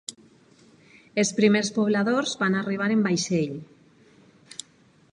Els primers pobladors van arribar en vaixell.